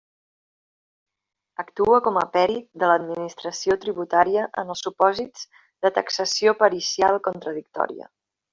Actua com a pèrit de l'Administració tributària en els supòsits de taxació pericial contradictòria.